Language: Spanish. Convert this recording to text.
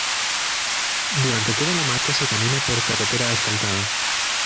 Durante toda la marcha se camina por carretera asfaltada.